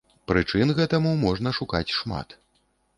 Прычын гэтаму можна шукаць шмат.